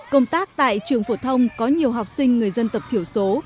công tác tại trường phổ thông có nhiều học sinh người dân tập thiểu số